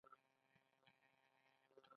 آزاد تجارت مهم دی ځکه چې فټنس تجهیزات راوړي.